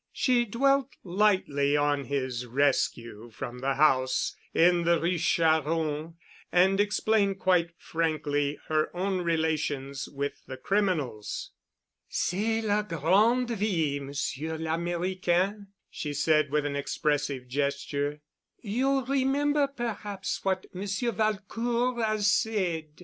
She dwelt lightly on his rescue from the house in the Rue Charron and explained quite frankly her own relations with the criminals. "C'est la grande vie, Monsieur l'Americain," she said with an expressive gesture. "You remember perhaps what Monsieur Valcourt 'as said.